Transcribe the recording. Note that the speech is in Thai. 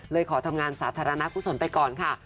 เลยขอทำงานสาธารณะผู้สนไปก่อนค่ะ